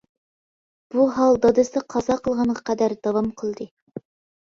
بۇ ھال دادىسى قازا قىلغانغا قەدەر داۋام قىلدى.